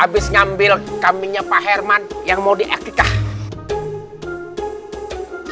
abis ngambil kambingnya pak herman yang mau diaktifkan